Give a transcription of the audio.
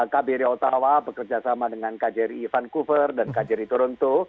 kbri ottawa bekerja sama dengan kjri vancouver dan kjri toronto